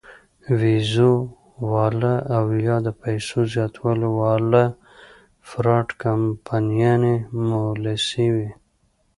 وېزو واله او يا د پېسو زياتولو واله فراډ کمپنيانې ملوثې وي -